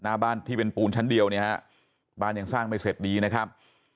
หน้าบ้านที่เป็นปูนชั้นเดียวเนี่ยฮะบ้านยังสร้างไม่เสร็จดีนะครับ